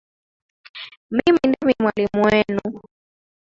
Mimi ndimi mwalimu wenu.